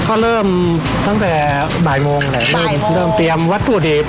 ก็เริ่มตั้งแต่บ่ายโมงแหละเริ่มเตรียมวัตถุดิบ